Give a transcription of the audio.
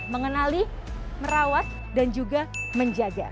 mengenali merawat dan juga menjaga